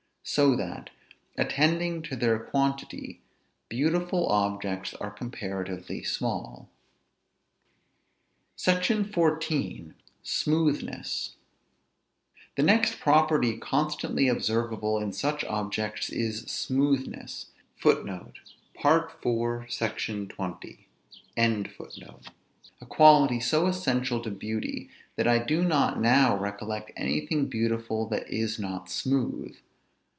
So that, attending to their quantity, beautiful objects are comparatively small. SECTION XIV. SMOOTHNESS. The next property constantly observable in such objects is smoothness; a quality so essential to beauty, that I do not now recollect anything beautiful that is not smooth.